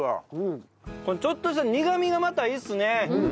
このちょっとした苦みがまたいいっすね。